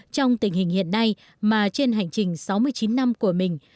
trong tình hình hiện nay mà trên hành trình sáu mươi chín năm của mình